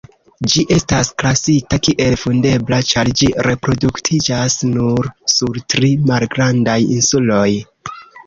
Ĝi estas klasita kiel vundebla ĉar ĝi reproduktiĝas nur sur tri malgrandaj insuloj.